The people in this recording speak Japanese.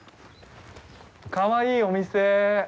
かわいいお店。